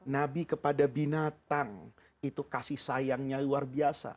nabi kepada binatang itu kasih sayangnya luar biasa